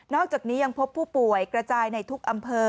อกจากนี้ยังพบผู้ป่วยกระจายในทุกอำเภอ